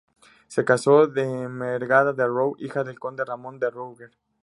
Se casó con Ermengarda de Rouergue, hija del conde Ramón de Rouergue.